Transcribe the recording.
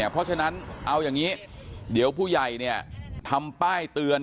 เพราะฉะนั้นเอาอย่างนี้เดี๋ยวผู้ใหญ่ทำป้ายเตือน